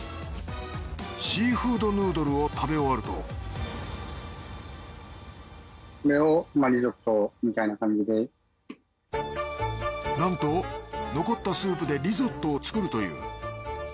シーフードヌードルを食べ終わるとなんと残ったスープでリゾットを作るという。